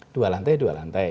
dua lantai dua lantai